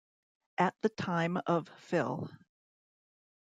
At the time of Phil.